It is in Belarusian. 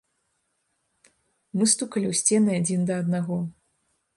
Мы стукалі ў сцены адзін да аднаго.